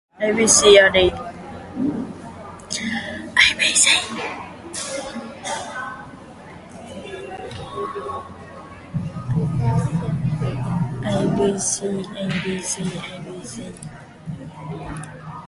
Overall, many players prefer this era Esquire to the more recent Mexican-made reissues.